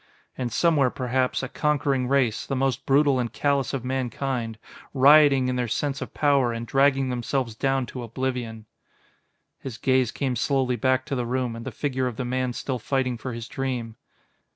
"And somewhere, perhaps, a conquering race, the most brutal and callous of mankind, rioting in their sense of power and dragging themselves down to oblivion...." His gaze came slowly back to the room and the figure of the man still fighting for his dream.